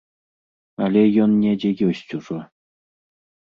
Але ён недзе ёсць ужо.